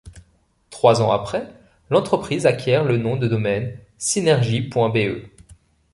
Trois ans après, l'entreprise acquiert le nom de domaine cinergie.be.